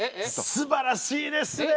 すばらしいですね。